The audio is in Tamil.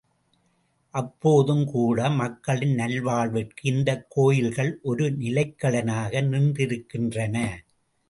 அப்போதும் கூட மக்களின் நல்வாழ்விற்கு இந்தக் கோயில்கள் ஒரு நிலைக்களனாக நின்றிருக்கின்றன.